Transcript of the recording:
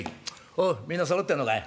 おうみんなそろってんのかい？